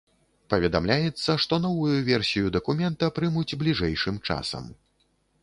Паведамляецца, што новую версію дакумента прымуць бліжэйшым часам.